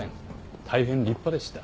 大変立派でした。